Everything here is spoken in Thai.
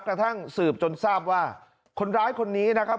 กระทั่งสืบจนทราบว่าคนร้ายคนนี้นะครับ